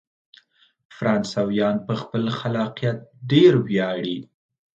فرانسویان په خپل خلاقیت ډیر ویاړي.